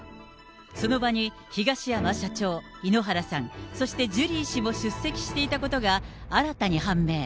その場に東山社長、井ノ原さん、そしてジュリー氏も出席していたことが新たに判明。